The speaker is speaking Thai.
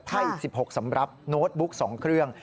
ไพ่๑๖สำรับโน้ตบุ๊ก๒เครื่อง